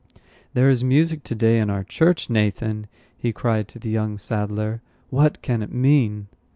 "There is music to day in our church, Nathan!" he cried to the young saddler. "What can it mean?"